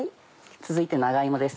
続いて長芋です。